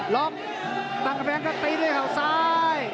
ลองตั้งแฟนก็ตีด้วยเขาซ้าย